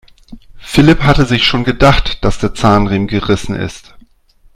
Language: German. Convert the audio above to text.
Philipp hatte sich schon gedacht, dass der Zahnriemen gerissen ist.